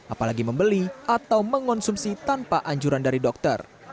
apalagi membeli atau mengonsumsi tanpa anjuran dari dokter